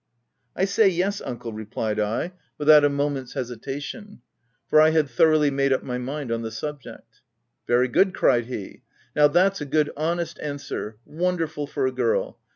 " I say yes, uncle/' replied I, without a 16 THE TENANT moment's hesitation ; for I had thoroughly made up my mind on the subject. " Very good !? cried he. " Now that's a good honest answer — wonderful for a girl!